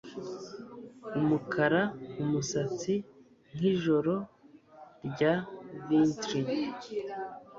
Umukara umusatsi nkijoro rya wintry